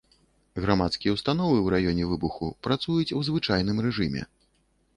Грамадскія ўстановы ў раёне выбуху працуюць у звычайным рэжыме.